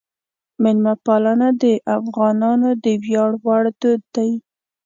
میلمهپالنه د افغانانو د ویاړ وړ دود دی.